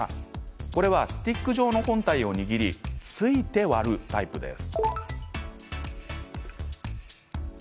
こちらはスティック状の本体を握り突いて割るタイプです。